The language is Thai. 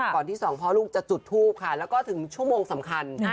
ที่สองพ่อลูกจะจุดทูปค่ะแล้วก็ถึงชั่วโมงสำคัญ